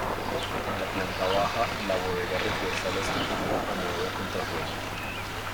En la planta baja, la bodega refuerza la estructura a modo de contrafuerte.